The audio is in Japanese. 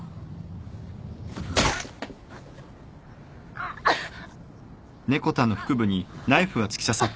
あっあっ。